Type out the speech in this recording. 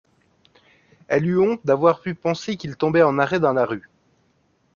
Elle eut honte d’avoir pu penser qu’il tombait en arrêt dans la rue